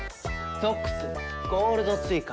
ゾックス・ゴールドツイカー。